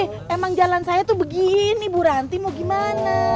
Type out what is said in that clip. eh emang jalan saya tuh begini bu ranti mau gimana